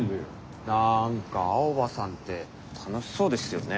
なんか青葉さんって楽しそうですよね。